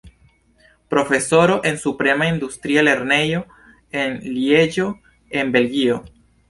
Profesoro en Supera Industria Lernejo en Lieĝo en Belgio.